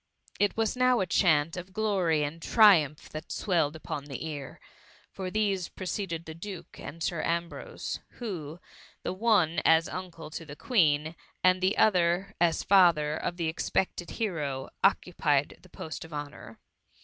It was now a chant of glory add triumph that swelled upon the ear, for these preceded the duke and Sir Ambrose ; who, the one as uncle to the Queen, and the other as father of the ex pected hero, occupied the post of honour.